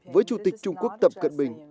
với chủ tịch trung quốc tập cận bình